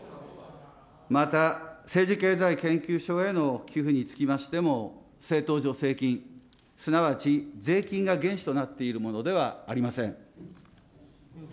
また、政治経済研究所への寄付につきましても、政党助成金、すなわち税金が原資となっているものではありません。